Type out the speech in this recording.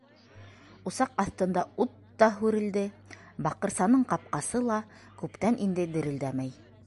Усаҡ аҫтында ут та һүрелде, баҡырсаның ҡапҡасы ла күптән инде дерелдәмәй.